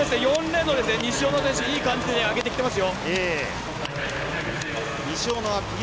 ４レーンの西小野選手いい感じで上げてきています。